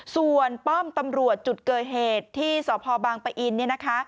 ส่วนป้อมตำรวจจุดเกิดเหตุที่สภบางปะอิน